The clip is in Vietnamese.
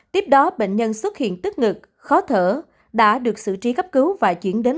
tiếp đó bệnh nhân xuất hiện tức ngực khó thở đã được xử trí cấp cứu và chuyển đến